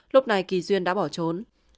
lúc này kỳ duyên đã bỏ trốn